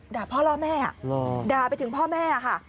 ด่าพ่อล่อแม่ด่าไปถึงพ่อแม่ค่ะ